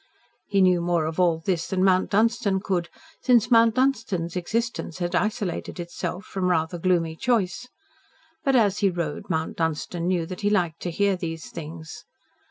He knew more of all this than Mount Dunstan could, since Mount Dunstan's existence had isolated itself, from rather gloomy choice. But as he rode, Mount Dunstan knew that he liked to hear these things.